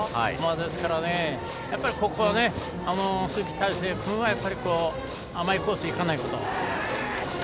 ですから、鈴木泰成君は甘いコースに行かないこと。